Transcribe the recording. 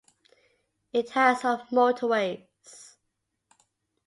It has of motorways.